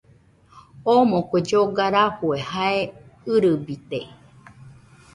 Omo kue lloga rafue jae ɨrɨbide